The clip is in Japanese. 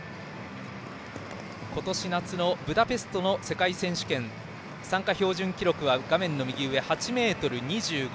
今年夏のブダペストの世界選手権参加標準記録は画面右上の８ｍ２５。